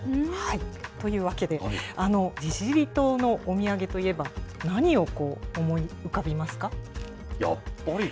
というわけで、利尻島のお土産といえば、何を思い浮かべますか？